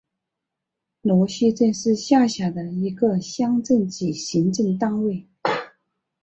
罗溪镇是下辖的一个乡镇级行政单位。